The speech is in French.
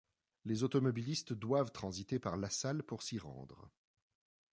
Les automobilistes doivent transiter par Lasalle pour s'y rendre.